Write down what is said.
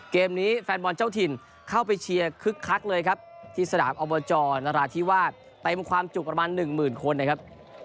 เกมนี้แฟนบอลเจ้าถิ่นเข้าไปเชียร์คึ้กคักเลยครับที่สถานอวจรนาราธิวาใต้ความจุประมาณ๑๐๐๐๐คนนะครับ